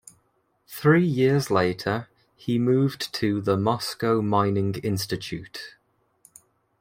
Three years later, he moved to the Moscow Mining Institute.